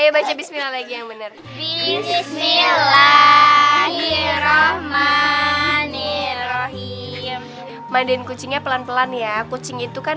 baca bismillah lagi yang bener bismillahirrohmanirrohim mandiin kucingnya pelan pelan ya kucing itu kan